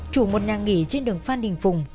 chủ một nhà nghỉ trên đường phan đình phùng